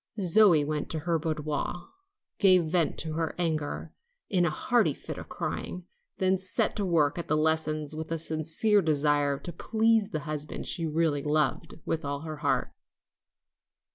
Zoe went to her boudoir, gave vent to her anger in a hearty fit of crying, then set to work at the lessons with a sincere desire to please the husband she really loved with all her heart.